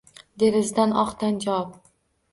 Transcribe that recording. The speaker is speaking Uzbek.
Derazadan oq tan janob